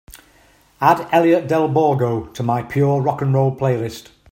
Add Elliot Del Borgo to my pure rock & roll playlist.